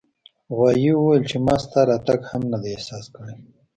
غوایي وویل چې ما ستا راتګ هم نه دی احساس کړی.